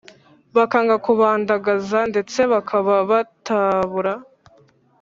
bakanga kubandagaza ndetse bakaba batabura